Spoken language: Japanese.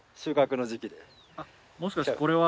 もしかしてこれは。